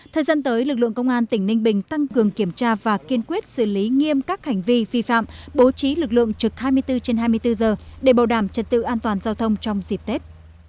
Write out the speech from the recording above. thời gian tới lực lượng công an tỉnh ninh bình tăng cường kiểm tra và kiên quyết xử lý nghiêm các hành vi vi phạm bố trí lực lượng trực hai mươi bốn trên hai mươi bốn giờ để bảo đảm trật tự an toàn giao thông trong dịp tết